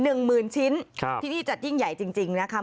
๑หมื่นชิ้นที่ที่จัดยิ่งใหญ่จริงนะคะ